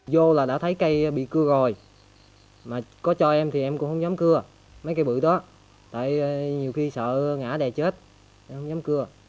vô là đã thấy cây bị cưa mà có cho em thì em cũng không dám cưa mấy cây bưởi đó tại nhiều khi sợ ngã đè chết không dám cưa